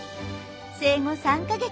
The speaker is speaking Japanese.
生後３か月。